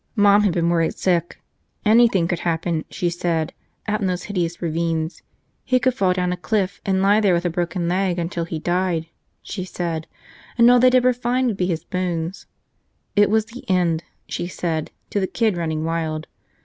Mom had been worried sick. Anything could happen, she said, out in those hideous ravines. He could fall down a cliff and lie there with a broken leg until he died, she said, and all they'd ever find would be his bones. It was the end, she said, to the kid running wild.